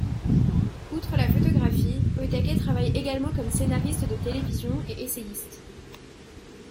Outre la photographie, Ōtake travaille également comme scénariste de télévision et essayiste.